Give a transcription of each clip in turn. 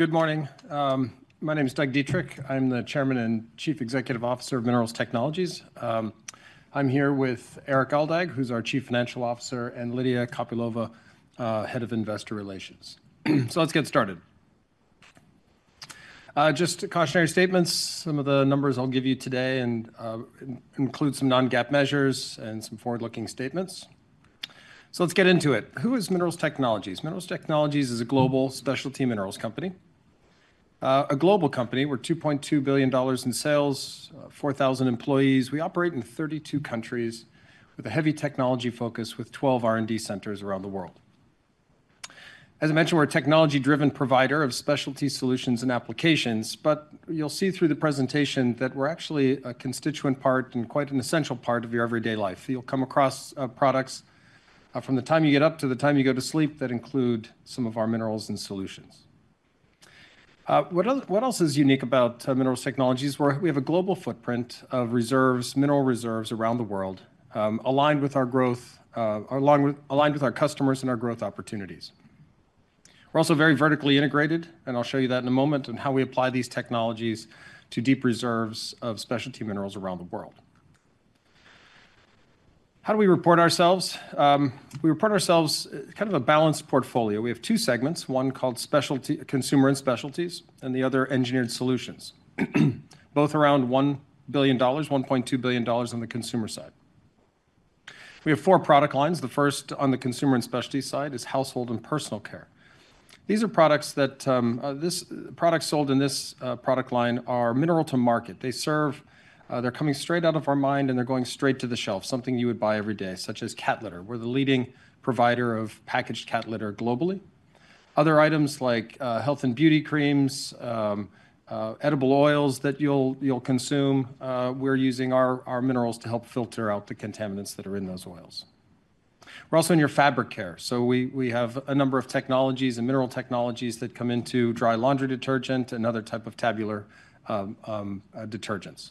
Good morning. My name is Doug Dietrich. I'm the Chairman and Chief Executive Officer of Minerals Technologies. I'm here with Erik Aldag, who's our Chief Financial Officer, and Lydia Kopylova, Head of Investor Relations. So let's get started. Just cautionary statements, some of the numbers I'll give you today and include some non-GAAP measures and some forward-looking statements. So let's get into it. Who is Minerals Technologies? Minerals Technologies is a global specialty minerals company. A global company, we're $2,200,000,000 in sales, 4,000 employees. We operate in 32 countries with a heavy technology focus, with 12 R&D centers around the world. As I mentioned, we're a technology-driven provider of specialty solutions and applications, but you'll see through the presentation that we're actually a constituent part and quite an essential part of your everyday life. You'll come across products from the time you get up to the time you go to sleep that include some of our minerals and solutions. What else, what else is unique about Minerals Technologies? Well, we have a global footprint of reserves, mineral reserves around the world, aligned with our growth aligned with our customers and our growth opportunities. We're also very vertically integrated, and I'll show you that in a moment, and how we apply these technologies to deep reserves of specialty minerals around the world. How do we report ourselves? We report ourselves, kind of a balanced portfolio. We have two segments, one called Specialties, Consumer & Specialties, and the other, Engineered Solutions. Both around $1,000,000,000, $1,200,000,000 on the consumer side. We have four product lines. The first on the consumer and specialty side is Household & Personal Care. These are products that products sold in this product line are mine to market. They serve, they're coming straight out of our mine, and they're going straight to the shelf, something you would buy every day, such as cat litter. We're the leading provider of packaged cat litter globally. Other items like health and beauty creams, edible oils that you'll consume, we're using our minerals to help filter out the contaminants that are in those oils. We're also in your fabric care. So we have a number of technologies and mineral technologies that come into dry laundry detergent and other type of tablet detergents.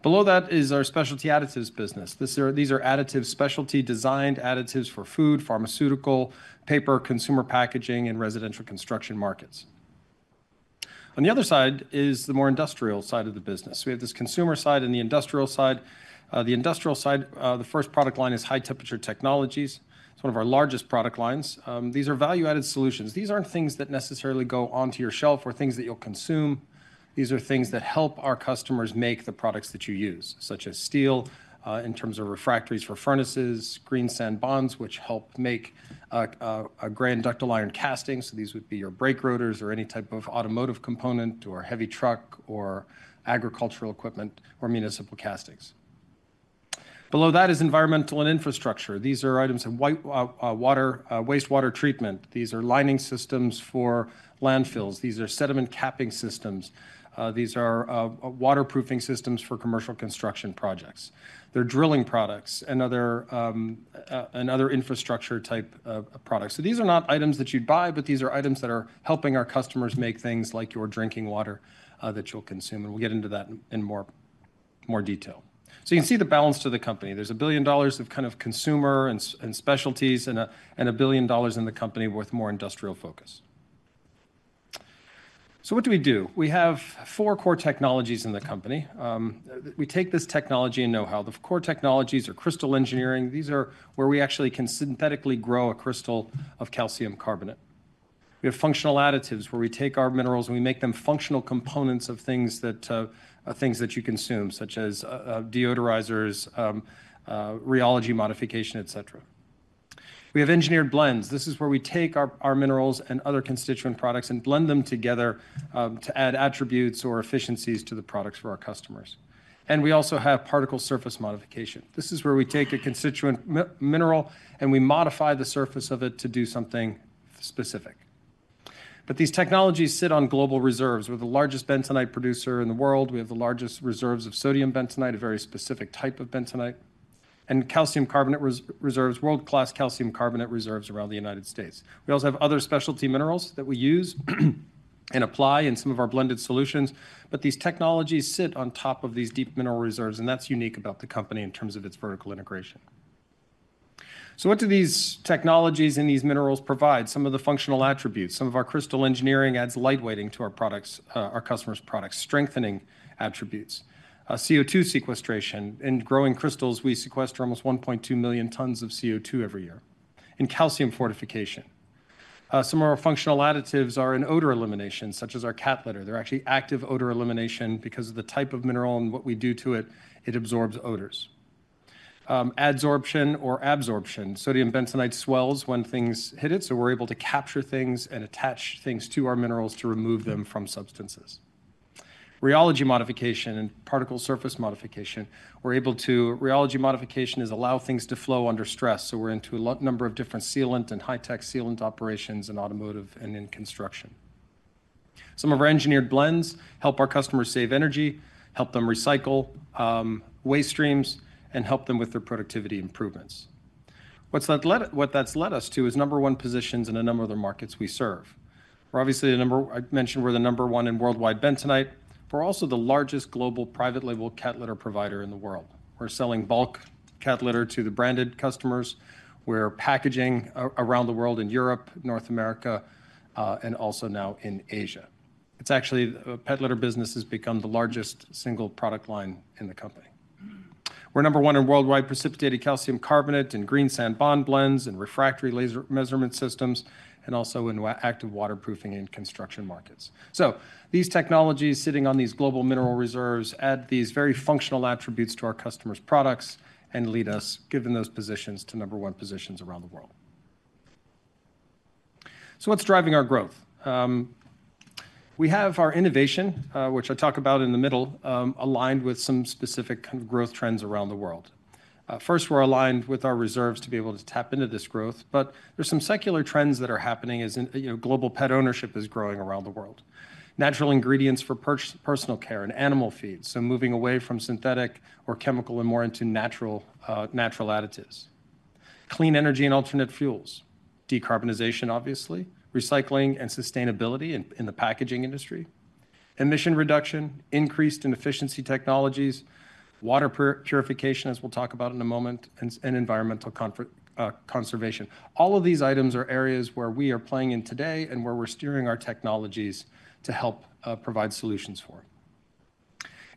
Below that is our Specialty Additives business. These are, these are additives, specialty-designed additives for food, pharmaceutical, paper, consumer packaging, and residential construction markets. On the other side is the more industrial side of the business. We have this consumer side and the industrial side. The industrial side, the first product line is High Temperature Technologies. It's one of our largest product lines. These are value-added solutions. These aren't things that necessarily go onto your shelf or things that you'll consume. These are things that help our customers make the products that you use, such as steel, in terms of refractories for furnaces, green sand bonds, which help make, a gray and ductile iron casting. So these would be your brake rotors or any type of automotive component, or heavy truck, or agricultural equipment, or municipal castings. Below that is Environmental & Infrastructure. These are items in white water, wastewater treatment. These are lining systems for landfills. These are sediment capping systems. These are waterproofing systems for commercial construction projects. They're drilling products and other and other infrastructure type of products. So these are not items that you'd buy, but these are items that are helping our customers make things like your drinking water that you'll consume, and we'll get into that in more more detail. So you can see the balance to the company. There's $1,000,000,000 of kind of Consumer & Specialties and $1,000,000,000 in the company with more industrial focus. So what do we do? We have four core technologies in the company. We take this technology and know-how. The core technologies are crystal engineering. These are where we actually can synthetically grow a crystal of calcium carbonate. We have functional additives, where we take our minerals, and we make them functional components of things that you consume, such as deodorizers, rheology modification, et cetera. We have engineered blends. This is where we take our minerals and other constituent products and blend them together to add attributes or efficiencies to the products for our customers. And we also have particle surface modification. This is where we take a constituent mineral, and we modify the surface of it to do something specific. But these technologies sit on global reserves. We're the largest bentonite producer in the world. We have the largest reserves of sodium bentonite, a very specific type of bentonite, and calcium carbonate reserves, world-class calcium carbonate reserves around the United States. We also have other specialty minerals that we use and apply in some of our blended solutions, but these technologies sit on top of these deep mineral reserves, and that's unique about the company in terms of its vertical integration. So what do these technologies and these minerals provide? Some of the functional attributes. Some of our crystal engineering adds light weighting to our products, our customers' products, strengthening attributes. CO2 sequestration. In growing crystals, we sequester almost 1,200,000 tons of CO2 every year. And calcium fortification. Some of our functional additives are in odor elimination, such as our cat litter. They're actually active odor elimination because of the type of mineral and what we do to it, it absorbs odors. Adsorption or absorption. Sodium bentonite swells when things hit it, so we're able to capture things and attach things to our minerals to remove them from substances. Rheology modification and particle surface modification, we're able to... Rheology modification is allow things to flow under stress, so we're into a number of different sealant and high-tech sealant operations in automotive and in construction. Some of our engineered blends help our customers save energy, help them recycle waste streams, and help them with their productivity improvements. What that's led us to is number one positions in a number of the markets we serve. We're obviously the number... I mentioned we're the number one in worldwide bentonite.... We're also the largest global private label cat litter provider in the world. We're selling bulk cat litter to the branded customers. We're packaging around the world in Europe, North America, and also now in Asia. It's actually, the pet litter business has become the largest single product line in the company. We're number one in worldwide precipitated calcium carbonate, in green sand bond blends, in refractory laser measurement systems, and also in water-active waterproofing and construction markets. So these technologies sitting on these global mineral reserves add these very functional attributes to our customers' products and lead us, given those positions, to number one positions around the world. So what's driving our growth? We have our innovation, which I talk about in the middle, aligned with some specific kind of growth trends around the world. First, we're aligned with our reserves to be able to tap into this growth, but there's some secular trends that are happening as in, you know, global pet ownership is growing around the world. Natural ingredients for personal care and animal feed, so moving away from synthetic or chemical and more into natural, natural additives. Clean energy and alternate fuels. Decarbonization, obviously. Recycling and sustainability in the packaging industry. Emission reduction, increased in efficiency technologies, water purification, as we'll talk about in a moment, and environmental conservation. All of these items are areas where we are playing in today and where we're steering our technologies to help provide solutions for.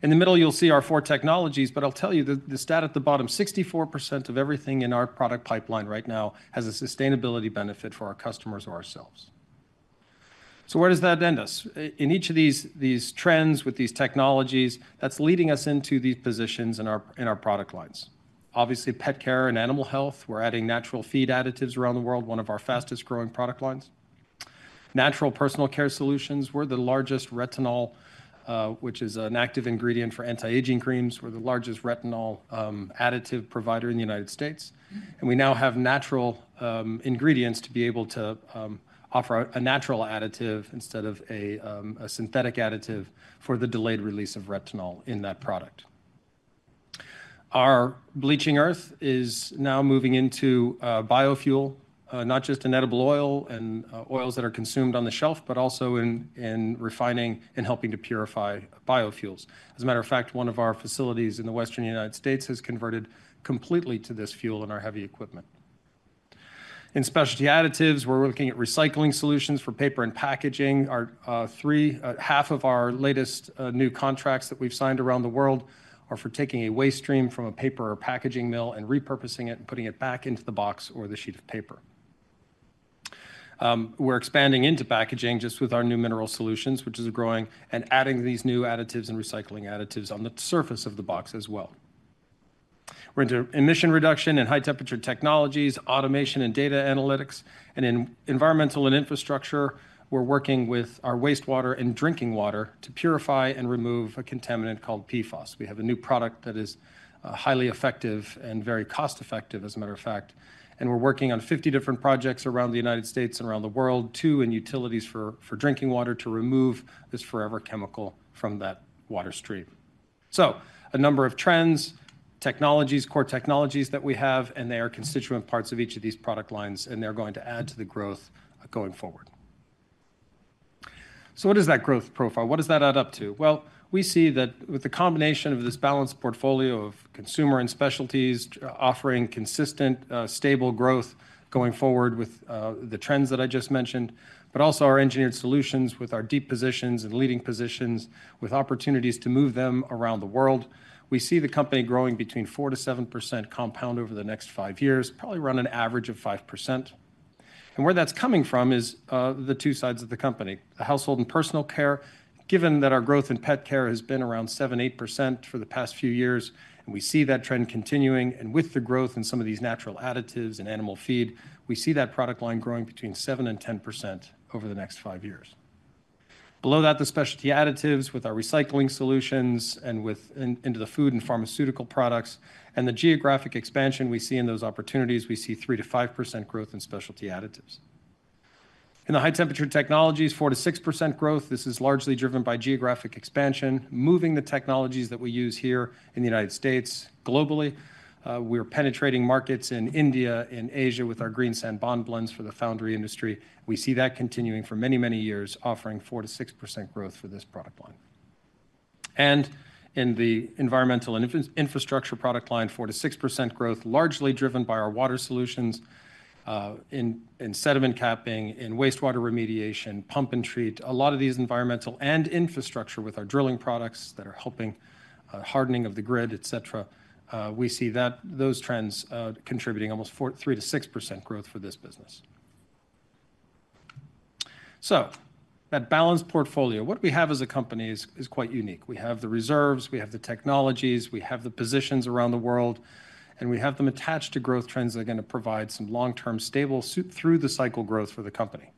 In the middle, you'll see our four technologies, but I'll tell you that the stat at the bottom, 64% of everything in our product pipeline right now has a sustainability benefit for our customers or ourselves. So where does that end us? In each of these, these trends with these technologies, that's leading us into these positions in our product lines. Obviously, pet care and animal health, we're adding natural feed additives around the world, one of our fastest-growing product lines. Natural personal care solutions, we're the largest retinol, which is an active ingredient for anti-aging creams. We're the largest retinol, additive provider in the United States, and we now have natural, ingredients to be able to, offer a natural additive instead of a synthetic additive for the delayed release of retinol in that product. Our bleaching earth is now moving into biofuel, not just in edible oil and oils that are consumed on the shelf, but also in refining and helping to purify biofuels. As a matter of fact, one of our facilities in the Western United States has converted completely to this fuel in our heavy equipment. In Specialty Additives, we're looking at recycling solutions for paper and packaging. Our three, half of our latest new contracts that we've signed around the world are for taking a waste stream from a paper or packaging mill and repurposing it and putting it back into the box or the sheet of paper. We're expanding into packaging just with our new mineral solutions, which is growing, and adding these new additives and recycling additives on the surface of the box as well. We're into emission reduction and High Temperature Technologies, automation and data analytics. In Environmental & Infrastructure, we're working with our wastewater and drinking water to purify and remove a contaminant called PFOS. We have a new product that is highly effective and very cost-effective, as a matter of fact, and we're working on 50 different projects around the United States and around the world, 2 in utilities for drinking water, to remove this forever chemical from that water stream. A number of trends, technologies, core technologies that we have, and they are constituent parts of each of these product lines, and they're going to add to the growth going forward. What is that growth profile? What does that add up to? Well, we see that with the combination of this balanced portfolio of Consumer & Specialties, offering consistent, stable growth going forward with, the trends that I just mentioned, but also our engineered solutions with our deep positions and leading positions, with opportunities to move them around the world. We see the company growing between 4%-7% compound over the next 5 years, probably around an average of 5%. And where that's coming from is, the two sides of the company, the Household & Personal Care. Given that our growth in pet care has been around 7%-8% for the past few years, and we see that trend continuing, and with the growth in some of these natural additives and animal feed, we see that product line growing between 7% and 10% over the next 5 years. Below that, the Specialty Additives with our recycling solutions and with into the food and pharmaceutical products, and the geographic expansion we see in those opportunities, we see 3%-5% growth in Specialty Additives. In the High Temperature Technologies, 4%-6% growth. This is largely driven by geographic expansion, moving the technologies that we use here in the United States globally. We're penetrating markets in India, in Asia with our green sand bond blends for the foundry industry. We see that continuing for many, many years, offering 4%-6% growth for this product line. In the Environmental & Infrastructure product line, 4%-6% growth, largely driven by our water solutions in sediment capping, in wastewater remediation, pump and treat. A lot of these Environmental & Infrastructure with our drilling products that are helping hardening of the grid, etcetera. We see that those trends contributing almost 3%-6% growth for this business. So that balanced portfolio, what we have as a company is quite unique. We have the reserves, we have the technologies, we have the positions around the world, and we have them attached to growth trends that are gonna provide some long-term, stable, through the cycle growth for the company.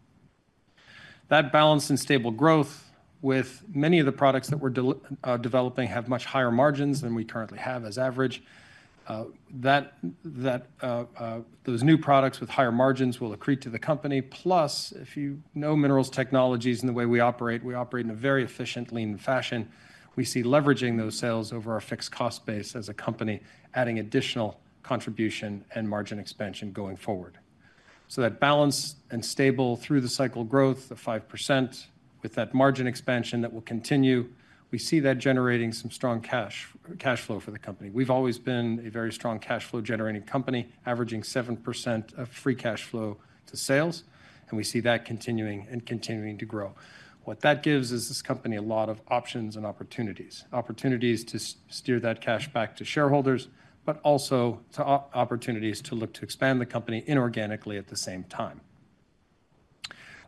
That balance and stable growth with many of the products that we're developing have much higher margins than we currently have as average. Those new products with higher margins will accrete to the company. Plus, if you know Minerals Technologies and the way we operate, we operate in a very efficient, lean fashion. We see leveraging those sales over our fixed cost base as a company, adding additional contribution and margin expansion going forward. So that balance and stable through the cycle growth of 5%, with that margin expansion that will continue, we see that generating some strong cash flow for the company. We've always been a very strong cash flow-generating company, averaging 7% of free cash flow to sales, and we see that continuing and continuing to grow. What that gives is this company a lot of options and opportunities, opportunities to steer that cash back to shareholders, but also to opportunities to look to expand the company inorganically at the same time.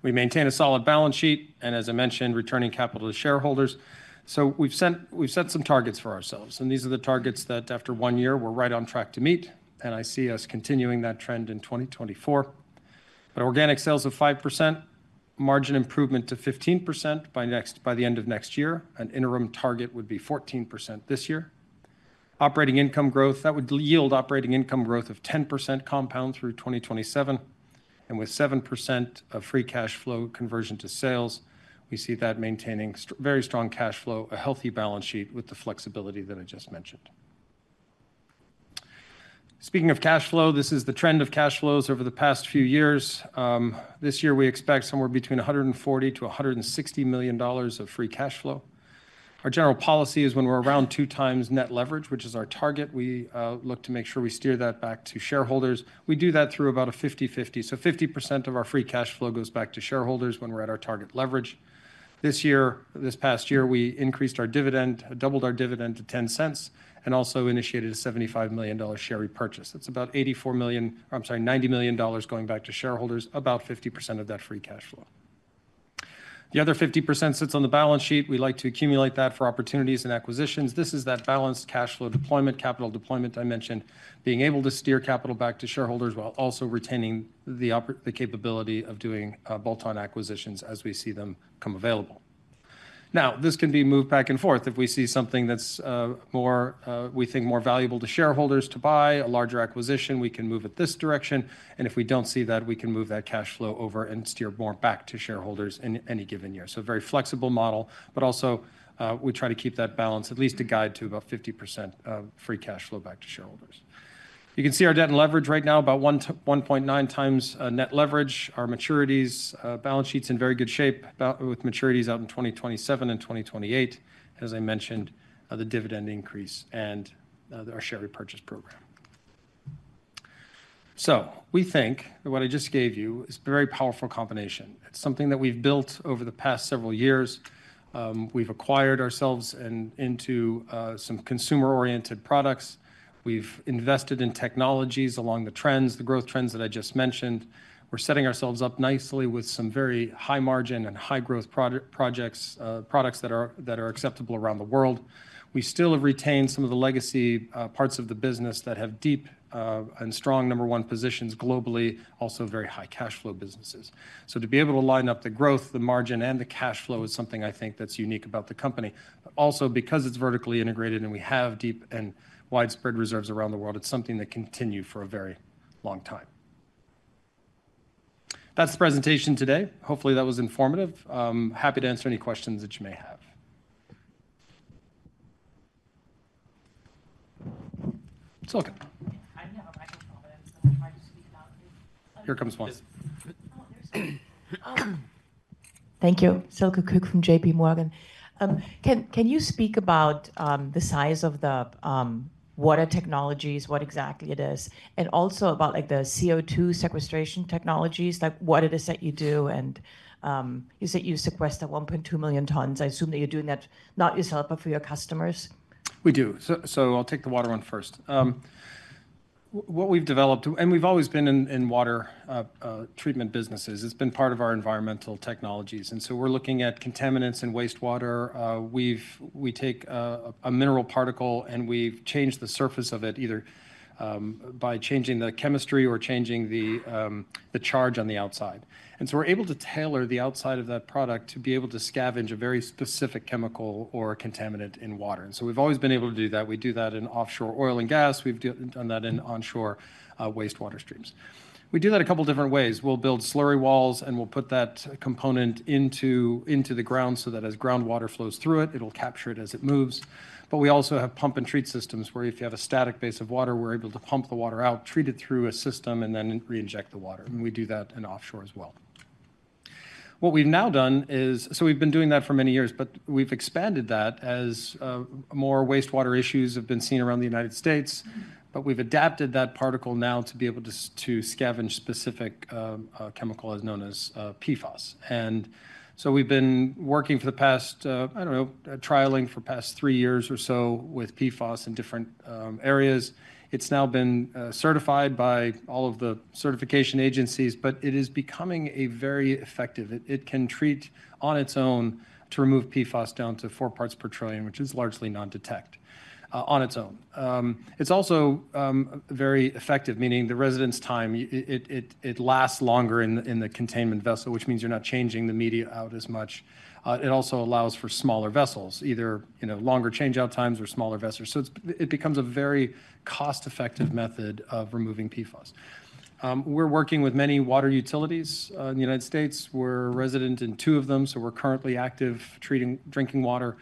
We maintain a solid balance sheet, and as I mentioned, returning capital to shareholders. So we've set some targets for ourselves, and these are the targets that after one year, we're right on track to meet, and I see us continuing that trend in 2024. But organic sales of 5%, margin improvement to 15% by the end of next year. An interim target would be 14% this year. That would yield operating income growth of 10% compound through 2027, and with 7% free cash flow conversion to sales, we see that maintaining very strong cash flow, a healthy balance sheet with the flexibility that I just mentioned. Speaking of cash flow, this is the trend of cash flows over the past few years. This year, we expect somewhere between $140,000,000 and $160,000,000 of free cash flow. Our general policy is when we're around 2x net leverage, which is our target, we look to make sure we steer that back to shareholders. We do that through about a 50/50. So 50% of our free cash flow goes back to shareholders when we're at our target leverage. This year, this past year, we increased our dividend, doubled our dividend to $0.10, and also initiated a $75,000,000 share repurchase. That's about $84,000,000, or I'm sorry, $90,000,000 going back to shareholders, about 50% of that free cash flow. The other 50% sits on the balance sheet. We like to accumulate that for opportunities and acquisitions. This is that balanced cash flow deployment, capital deployment I mentioned, being able to steer capital back to shareholders while also retaining the capability of doing bolt-on acquisitions as we see them come available. Now, this can be moved back and forth. If we see something that's more, we think more valuable to shareholders to buy, a larger acquisition, we can move it this direction, and if we don't see that, we can move that cash flow over and steer more back to shareholders in any given year. So a very flexible model, but also, we try to keep that balance at least a guide to about 50% of free cash flow back to shareholders. You can see our debt and leverage right now, about 1-1.9 times net leverage. Our maturities, balance sheet's in very good shape, with maturities out in 2027 and 2028, as I mentioned, the dividend increase and, our share repurchase program. So we think that what I just gave you is a very powerful combination. It's something that we've built over the past several years. We've acquired ourselves into some consumer-oriented products. We've invested in technologies along the trends, the growth trends that I just mentioned. We're setting ourselves up nicely with some very high margin and high growth products that are acceptable around the world. We still have retained some of the legacy parts of the business that have deep and strong number one positions globally, also very high cash flow businesses. So to be able to line up the growth, the margin, and the cash flow is something I think that's unique about the company. But also, because it's vertically integrated and we have deep and widespread reserves around the world, it's something that continue for a very long time. That's the presentation today. Hopefully, that was informative. I'm happy to answer any questions that you may have. Silke. I don't have a microphone, so it's hard to speak loudly. Here comes one. Oh, there's one. Thank you. Silke Kueck from J.P. Morgan. Can you speak about the size of the water technologies, what exactly it is, and also about, like, the CO2 sequestration technologies, like what it is that you do, and is it you sequester 1,200,000 tons? I assume that you're doing that not yourself, but for your customers. We do. So, I'll take the water one first. What we've developed, and we've always been in water treatment businesses. It's been part of our environmental technologies, and so we're looking at contaminants and wastewater. We take a mineral particle, and we've changed the surface of it, either by changing the chemistry or changing the charge on the outside. And so we're able to tailor the outside of that product to be able to scavenge a very specific chemical or contaminant in water, and so we've always been able to do that. We do that in offshore oil and gas. We've done that in onshore wastewater streams. We do that a couple different ways. We'll build slurry walls, and we'll put that component into the ground so that as groundwater flows through it, it'll capture it as it moves. But we also have pump and treat systems, where if you have a static base of water, we're able to pump the water out, treat it through a system, and then reinject the water, and we do that in offshore as well. What we've now done is so we've been doing that for many years, but we've expanded that as more wastewater issues have been seen around the United States, but we've adapted that particle now to be able to to scavenge specific chemical known as PFOS. And so we've been working for the past, I don't know, trialing for the past three years or so with PFOS in different areas. It's now been certified by all of the certification agencies, but it is becoming a very effective. It can treat on its own to remove PFAS down to 4 parts per trillion, which is largely non-detect, on its own. It's also very effective, meaning the residence time. It lasts longer in the containment vessel, which means you're not changing the media out as much. It also allows for smaller vessels, either, you know, longer change-out times or smaller vessels. So it becomes a very cost-effective method of removing PFAS. We're working with many water utilities in the United States. We're resident in two of them, so we're currently active treating drinking water.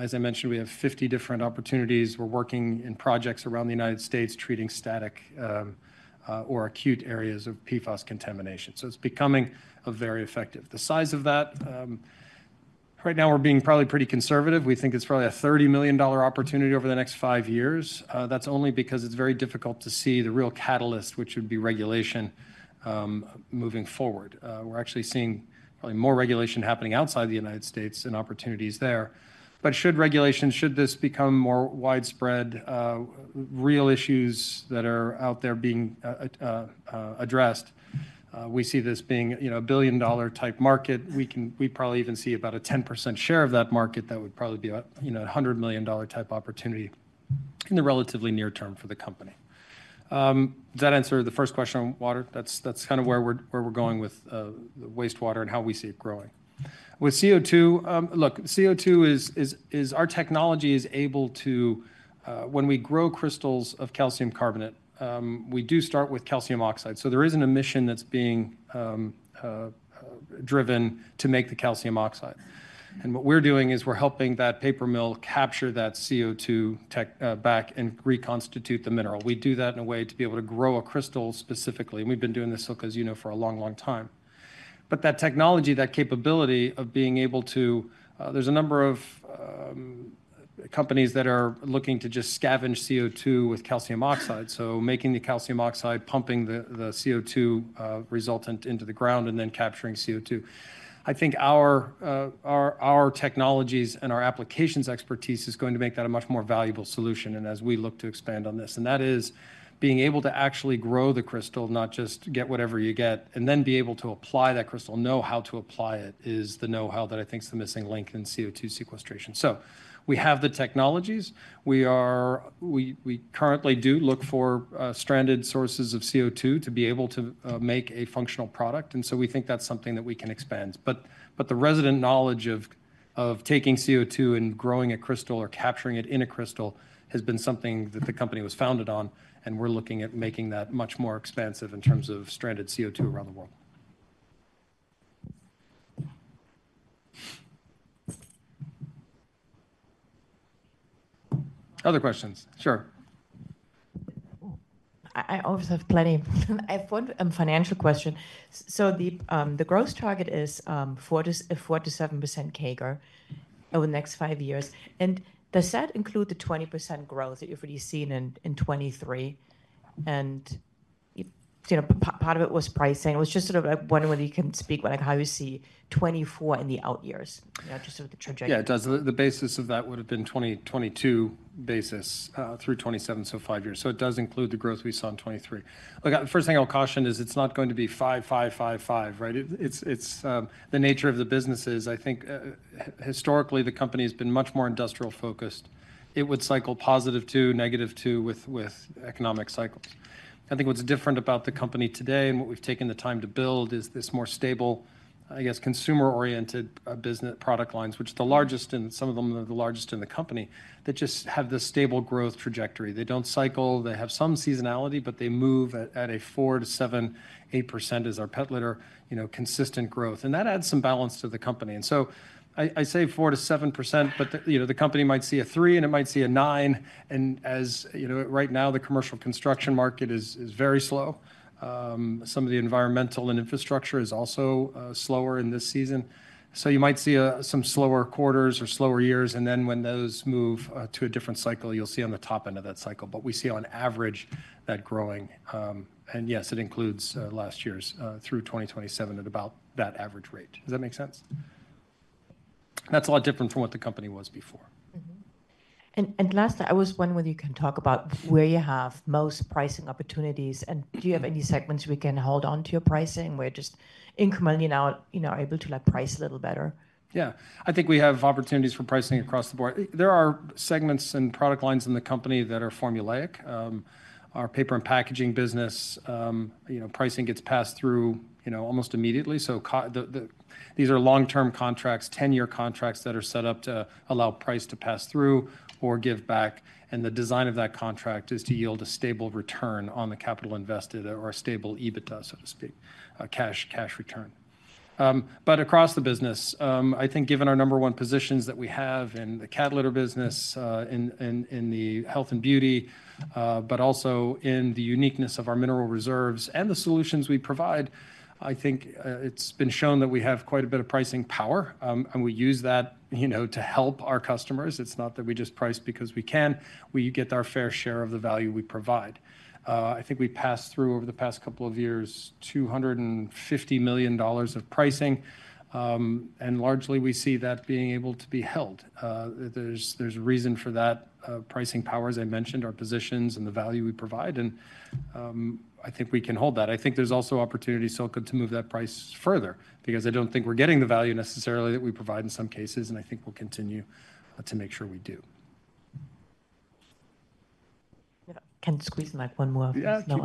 As I mentioned, we have 50 different opportunities. We're working in projects around the United States, treating static or acute areas of PFAS contamination, so it's becoming very effective. The size of that, right now we're being probably pretty conservative. We think it's probably a $30,000,000 opportunity over the next five years. That's only because it's very difficult to see the real catalyst, which would be regulation moving forward. We're actually seeing probably more regulation happening outside the United States than opportunities there. But should regulation, should this become more widespread, real issues that are out there being addressed, we see this being, you know, $1,000,000,000 type market. We can- we probably even see about a 10% share of that market. That would probably be about, you know, a $100,000,000 type opportunity in the relatively near term for the company. Does that answer the first question on water? That's kind of where we're going with the wastewater and how we see it growing. With CO2, look, CO2 is... Our technology is able to, when we grow crystals of calcium carbonate, we do start with calcium oxide, so there is an emission that's being driven to make the calcium oxide. And what we're doing is we're helping that paper mill capture that CO2 back and reconstitute the mineral. We do that in a way to be able to grow a crystal specifically, and we've been doing this, Silke, as you know, for a long, long time. But that technology, that capability of being able to... There's a number of companies that are looking to just scavenge CO2 with calcium oxide, so making the calcium oxide, pumping the CO2 resultant into the ground, and then capturing CO2. I think our technologies and our applications expertise is going to make that a much more valuable solution, and as we look to expand on this, and that is being able to actually grow the crystal, not just get whatever you get, and then be able to apply that crystal, know how to apply it, is the know-how that I think is the missing link in CO2 sequestration. So we have the technologies. We currently do look for stranded sources of CO2 to be able to make a functional product, and so we think that's something that we can expand. But the resident knowledge of taking CO2 and growing a crystal or capturing it in a crystal has been something that the company was founded on, and we're looking at making that much more expansive in terms of stranded CO2 around the world. Other questions? Sure. I always have plenty. I have one financial question. So the growth target is 4%-7% CAGR over the next 5 years, and does that include the 20% growth that you've already seen in 2023? You know, part of it was pricing. I was just sort of like wondering whether you can speak about how you see 2024 in the out years, you know, just sort of the trajectory. Yeah, it does. The basis of that would have been 2022 basis through 2027, so 5 years. So it does include the growth we saw in 2023. Look, the first thing I'll caution is it's not going to be 5, 5, 5, 5, right? It's... The nature of the business is, I think, historically, the company has been much more industrial focused. It would cycle +2, -2 with economic cycles. I think what's different about the company today and what we've taken the time to build is this more stable, I guess, consumer-oriented business product lines, which the largest, and some of them are the largest in the company, that just have this stable growth trajectory. They don't cycle. They have some seasonality, but they move at a 4%-8% as our pet litter, you know, consistent growth, and that adds some balance to the company. And so I say 4%-7%, but the, you know, the company might see a 3, and it might see a 9. And as you know, right now, the commercial construction market is very slow. Some of the Environmental & Infrastructure is also slower in this season. So you might see some slower quarters or slower years, and then when those move to a different cycle, you'll see on the top end of that cycle. But we see on average that growing, and yes, it includes last year's through 2027 at about that average rate. Does that make sense? That's a lot different from what the company was before. Mm-hmm. And, and lastly, I was wondering whether you can talk about where you have most pricing opportunities, and do you have any segments we can hold on to your pricing, where just incrementally now, you know, are able to, like, price a little better? Yeah. I think we have opportunities for pricing across the board. There are segments and product lines in the company that are formulaic. Our paper and packaging business, you know, pricing gets passed through, you know, almost immediately. So, these are long-term contracts, 10-year contracts that are set up to allow price to pass through or give back, and the design of that contract is to yield a stable return on the capital invested or a stable EBITDA, so to speak, a cash return. But across the business, I think given our number one positions that we have in the cat litter business, in the health and beauty, but also in the uniqueness of our mineral reserves and the solutions we provide, I think it's been shown that we have quite a bit of pricing power, and we use that, you know, to help our customers. It's not that we just price because we can. We get our fair share of the value we provide. I think we passed through, over the past couple of years, $250,000,000 of pricing, and largely, we see that being able to be held. There's a reason for that, pricing power, as I mentioned, our positions and the value we provide, and I think we can hold that. I think there's also opportunities, Silke, to move that price further because I don't think we're getting the value necessarily that we provide in some cases, and I think we'll continue to make sure we do.... Can I squeeze in like one more question? Yeah,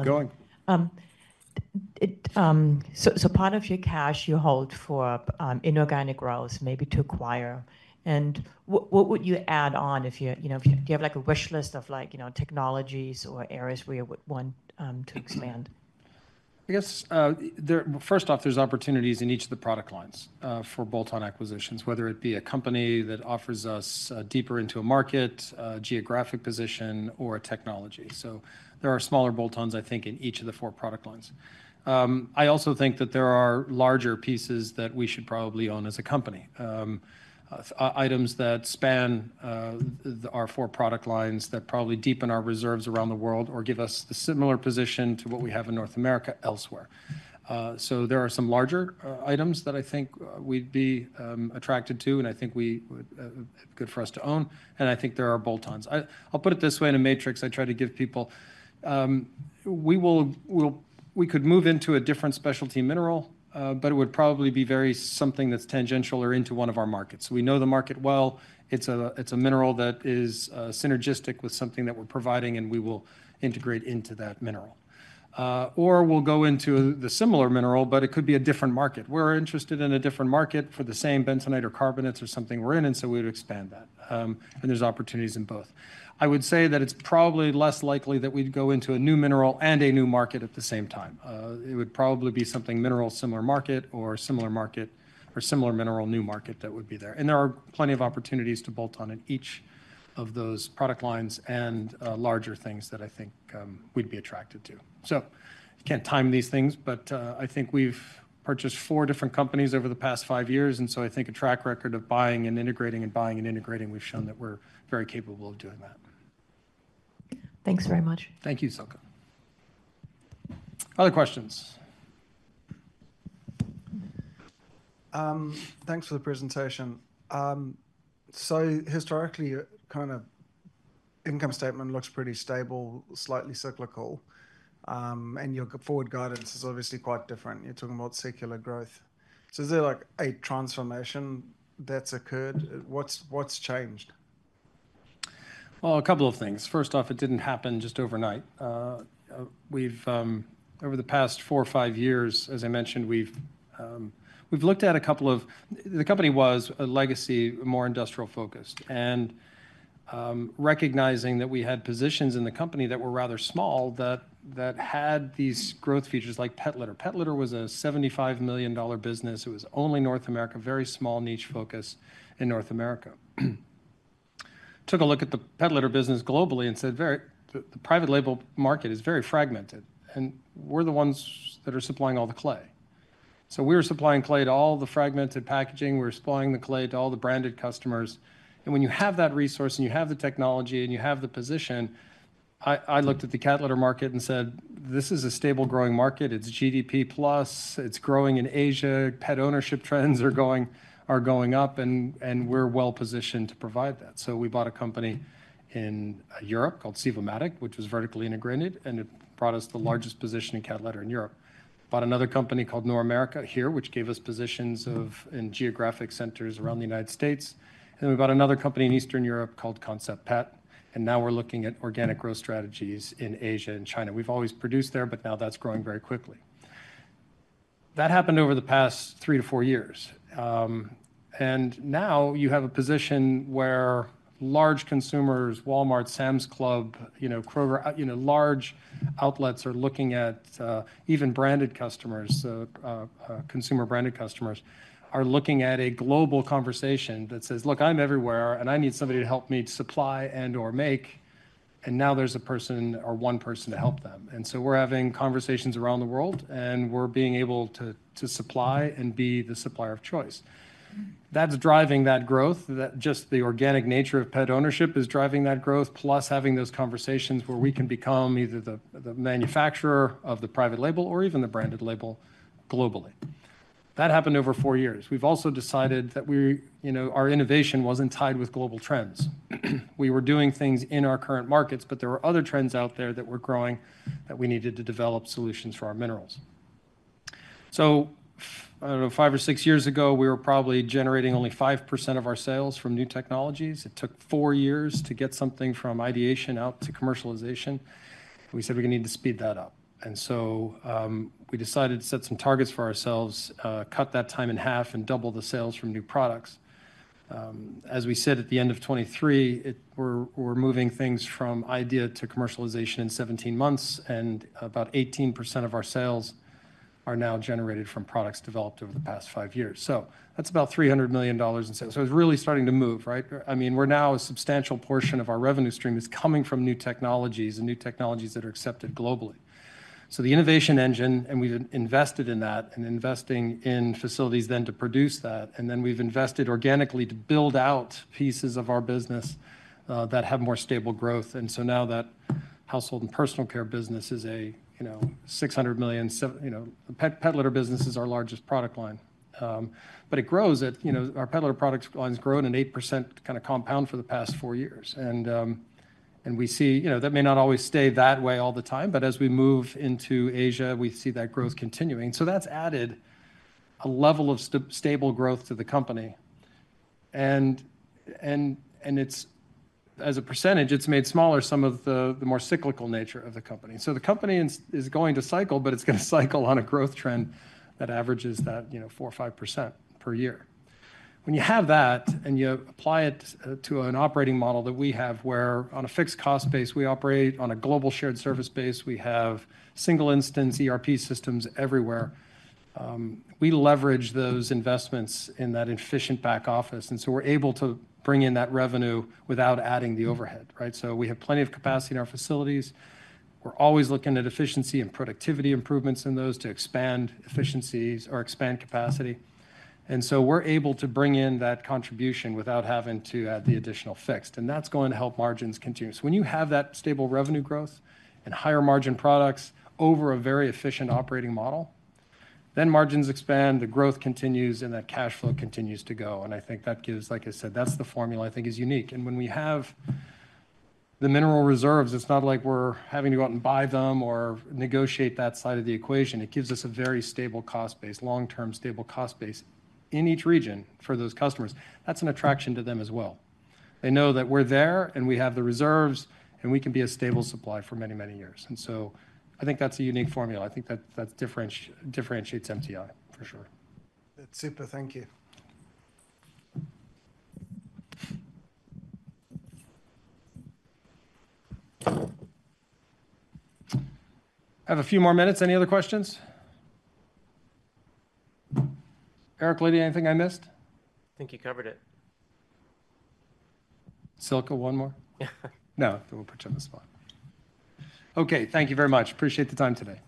keep going. So part of your cash you hold for inorganic growth, maybe to acquire. And what would you add on if you, you know, do you have like a wish list of, like, you know, technologies or areas where you would want to expand? I guess, there... First off, there are opportunities in each of the product lines for bolt-on acquisitions, whether it be a company that offers us deeper into a market, a geographic position, or a technology. So there are smaller bolt-ons, I think, in each of the four product lines. I also think that there are larger pieces that we should probably own as a company. Items that span our four product lines that probably deepen our reserves around the world or give us a similar position to what we have in North America elsewhere. So there are some larger items that I think we'd be attracted to, and I think we would good for us to own, and I think there are bolt-ons. I'll put it this way, in a matrix, I try to give people... We could move into a different specialty mineral, but it would probably be very something that's tangential or into one of our markets. We know the market well. It's a mineral that is synergistic with something that we're providing, and we will integrate into that mineral. Or we'll go into the similar mineral, but it could be a different market. We're interested in a different market for the same bentonite or carbonates or something we're in, and so we would expand that. And there's opportunities in both. I would say that it's probably less likely that we'd go into a new mineral and a new market at the same time. It would probably be something mineral, similar market, or similar market, or similar mineral, new market that would be there. There are plenty of opportunities to bolt on in each of those product lines and larger things that I think we'd be attracted to. So you can't time these things, but I think we've purchased four different companies over the past five years, and so I think a track record of buying and integrating and buying and integrating, we've shown that we're very capable of doing that. Thanks very much. Thank you, Silke. Other questions? Thanks for the presentation. So historically, your kind of income statement looks pretty stable, slightly cyclical, and your forward guidance is obviously quite different. You're talking about secular growth. So is there, like, a transformation that's occurred? What's changed? Well, a couple of things. First off, it didn't happen just overnight. Over the past four or five years, as I mentioned, we've looked at a couple of. The company was a legacy, more industrial focused, and recognizing that we had positions in the company that were rather small, that had these growth features, like pet litter. Pet litter was a $75,000,000 business. It was only North America, very small niche focus in North America. Took a look at the pet litter business globally and said, very, the private label market is very fragmented, and we're the ones that are supplying all the clay. So we were supplying clay to all the fragmented packaging. We were supplying the clay to all the branded customers. When you have that resource, and you have the technology, and you have the position, I looked at the cat litter market and said, "This is a stable, growing market. It's GDP plus, it's growing in Asia, pet ownership trends are going up, and we're well positioned to provide that." So we bought a company in Europe called Sivomatic, which was vertically integrated, and it brought us the largest position in cat litter in Europe. Bought another company called Normerica here, which gave us positions in geographic centers around the United States. And we bought another company in Eastern Europe called Concept Pet, and now we're looking at organic growth strategies in Asia and China. We've always produced there, but now that's growing very quickly. That happened over the past three to four years. And now you have a position where large consumers, Walmart, Sam's Club, you know, Kroger, large outlets are looking at, even branded customers, consumer-branded customers, are looking at a global conversation that says, "Look, I'm everywhere, and I need somebody to help me to supply and/or make," and now there's a person or one person to help them. And so we're having conversations around the world, and we're being able to supply and be the supplier of choice. That's driving that growth, that just the organic nature of pet ownership is driving that growth, plus having those conversations where we can become either the manufacturer of the private label or even the branded label globally. That happened over four years. We've also decided that we, you know, our innovation wasn't tied with global trends. We were doing things in our current markets, but there were other trends out there that were growing, that we needed to develop solutions for our minerals. So, I don't know, five or six years ago, we were probably generating only 5% of our sales from new technologies. It took four years to get something from ideation out to commercialization. We said, "We're gonna need to speed that up." And so, we decided to set some targets for ourselves, cut that time in half and double the sales from new products. As we said, at the end of 2023, we're moving things from idea to commercialization in 17 months, and about 18% of our sales are now generated from products developed over the past five years. So that's about $300,000,000 in sales. So it's really starting to move, right? I mean, we're now a substantial portion of our revenue stream is coming from new technologies and new technologies that are accepted globally. So the innovation engine, and we've invested in that, and investing in facilities then to produce that, and then we've invested organically to build out pieces of our business, that have more stable growth. And so now that Household & Personal Care business is a, you know, $600,000,000, seven, you know... Pet, pet litter business is our largest product line. But it grows at, you know, our pet litter product line's grown an 8% kinda compound for the past 4 years. And, and we see, you know, that may not always stay that way all the time, but as we move into Asia, we see that growth continuing. So that's added a level of stable growth to the company. It's, as a percentage, it's made smaller some of the more cyclical nature of the company. So the company is going to cycle, but it's gonna cycle on a growth trend that averages that, you know, 4%-5% per year. When you have that, and you apply it to an operating model that we have, where on a fixed cost base, we operate on a global shared service base, we have single instance ERP systems everywhere, we leverage those investments in that efficient back office, and so we're able to bring in that revenue without adding the overhead, right? So we have plenty of capacity in our facilities. We're always looking at efficiency and productivity improvements in those to expand efficiencies or expand capacity. So we're able to bring in that contribution without having to add the additional fixed, and that's going to help margins continue. So when you have that stable revenue growth and higher margin products over a very efficient operating model, then margins expand, the growth continues, and that cash flow continues to go. And I think that gives, like I said, that's the formula I think is unique. And when we have the mineral reserves, it's not like we're having to go out and buy them or negotiate that side of the equation. It gives us a very stable cost base, long-term, stable cost base in each region for those customers. That's an attraction to them as well. They know that we're there, and we have the reserves, and we can be a stable supply for many, many years. And so I think that's a unique formula. I think that differentiates MTI, for sure. That's super. Thank you. I have a few more minutes. Any other questions? Erik, Lydia, anything I missed? I think you covered it. Silke, one more? Yeah. No, I won't put you on the spot. Okay, thank you very much. Appreciate the time today.